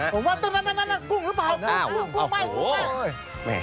ผมว่าตรงนั้นกุ้งหรือเปล่ากุ้งมา